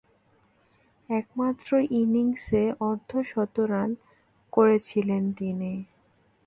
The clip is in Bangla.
একমাত্র ইনিংসে অর্ধ-শতরান করেছিলেন তিনি।